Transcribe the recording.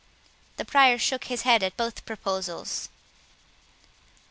The Prior shook his head at both proposals.